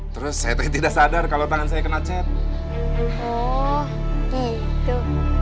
terus saya tidak sadar kalau tangan saya kena chat